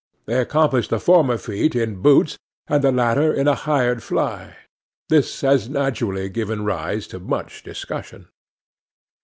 They accomplished the former feat in boots, and the latter in a hired fly. This has naturally given rise to much discussion.